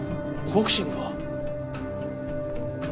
ボクシング？